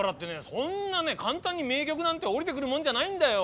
そんなね簡単に名曲なんて降りてくるもんじゃないんだよ。